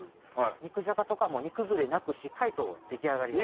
肉じゃがとかも煮崩れなくしっかりと出来上がりが。